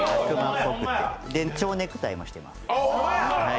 蝶ネクタイもしてます。